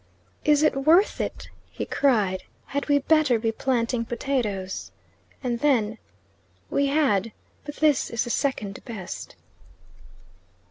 "Is it worth it?" he cried. "Had we better be planting potatoes?" And then: "We had; but this is the second best."